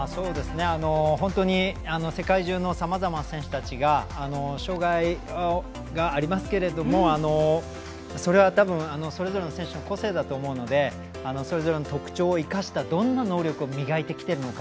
本当に世界中のさまざまな選手たちが障がいがありますけれどもそれは多分、それぞれの選手の個性だと思うのでそれぞれの特長を生かしたどんな能力を磨いてきているのか